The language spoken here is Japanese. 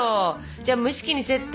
じゃあ蒸し器にセット。